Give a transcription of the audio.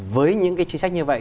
với những cái chính sách như vậy